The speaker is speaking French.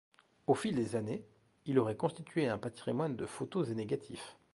Au fil des années, il aurait constitué un patrimoine de photos et négatifs.